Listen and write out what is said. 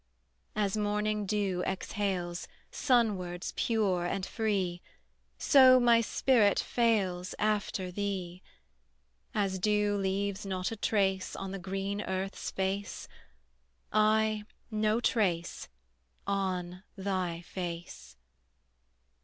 As morning dew exhales Sunwards pure and free, So my spirit fails After thee: As dew leaves not a trace On the green earth's face; I, no trace On thy face.